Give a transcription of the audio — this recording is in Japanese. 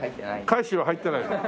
海舟は入ってない。